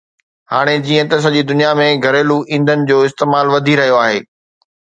هاڻي جيئن ته سڄي دنيا ۾ گهريلو ايندھن جو استعمال وڌي رهيو آهي